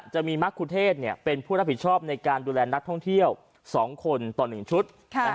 จะมีมะคุเทศเป็นผู้รับผิดชอบในการดูแลนักท่องเที่ยว๒คนต่อ๑ชุด